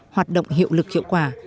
hoạt động hiệu lực hiệu quả